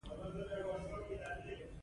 • بادام د خوب خوندیتوب لپاره ډېر ګټور دی.